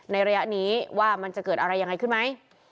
ระยะนี้ว่ามันจะเกิดอะไรยังไงขึ้นไหม